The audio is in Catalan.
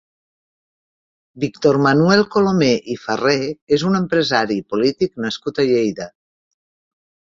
Víctor Manuel Colomé i Farré és un empresari i polític nascut a Lleida.